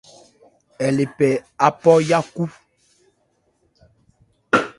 Ɛ le phɛ́ Apo yákhu.